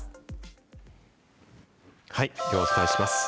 ではお伝えします。